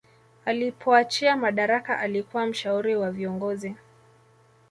alipoachia madaraka alikuwa mshauri wa viongozi